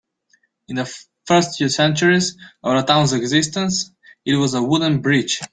In the first few centuries of the town's existence, it was a wooden bridge.